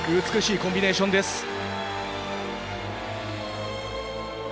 美しいコンビネーションです。